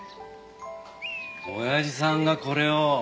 親父さんがこれを。